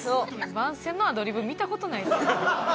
番宣のアドリブ見た事ないな。